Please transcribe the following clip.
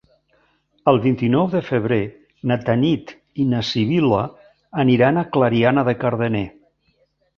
El vint-i-nou de febrer na Tanit i na Sibil·la aniran a Clariana de Cardener.